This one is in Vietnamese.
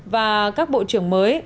và các bộ trưởng mới